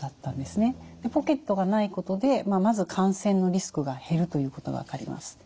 ポケットがないことでまず感染のリスクが減るということが分かります。